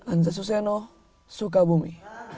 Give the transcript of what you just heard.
anja suseno sukabumi